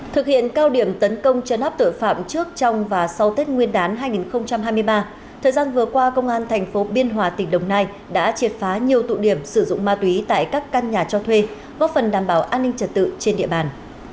thực hiện cao điểm tấn công chấn áp tội phạm trước trong và sau tết nguyên đán hai nghìn hai mươi ba thời gian vừa qua công an thành phố biên hòa tỉnh đồng nai đã triệt phá nhiều tụ điểm sử dụng ma túy tại các căn nhà cho thuê góp phần đảm bảo an ninh trật tự trên địa bàn